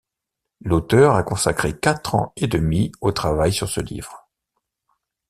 L’auteur a consacré quatre ans et demi au travail sur ce livre.